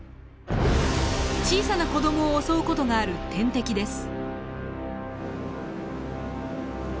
小さな子どもを襲う事がある天敵です。